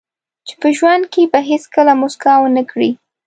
چې په ژوند کې به هیڅکله موسکا ونه کړئ.